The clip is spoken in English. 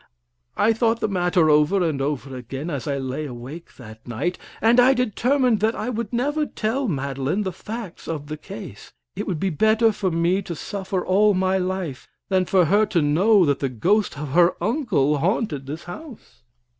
I thought the matter over and over again as I lay awake that night, and I determined that I would never tell Madeline the facts of the case. It would be better for me to suffer all my life than for her to know that the ghost of her uncle haunted the house.